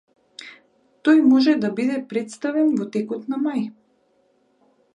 Тој може да биде претставен во текот на мај